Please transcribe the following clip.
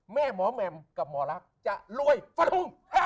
แม่หมอแมมกับหมอลักจะรวยฟรุ่ง